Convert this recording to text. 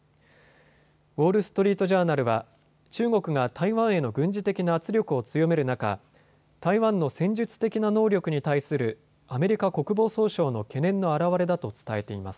ウォール・ストリート・ジャーナルは中国が台湾への軍事的な圧力を強める中、台湾の戦術的な能力に対するアメリカ国防総省の懸念の表れだと伝えています。